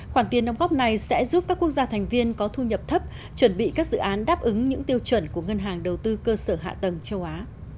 khoản tiền đóng góp này sẽ giúp các quốc gia thành viên có thu nhập thấp chuẩn bị các dự án đáp ứng những tiêu chuẩn của ngân hàng đầu tư cơ sở hạ tầng châu á